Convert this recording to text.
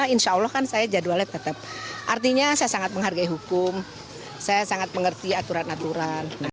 insya allah kan saya jadwalnya tetap artinya saya sangat menghargai hukum saya sangat mengerti aturan aturan